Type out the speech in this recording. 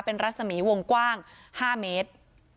เป็นรัศมีวงกว้าง๕เมตร